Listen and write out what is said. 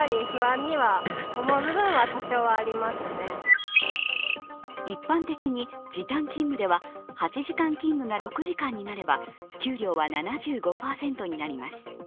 一方で一般的に時短勤務では８時間勤務が６時間になれば給料は７５％になります。